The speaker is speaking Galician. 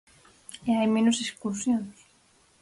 E hai menos excursións.